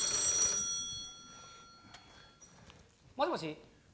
☎もしもし。